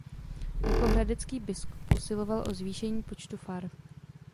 Jako hradecký biskup usiloval o zvýšení počtu far.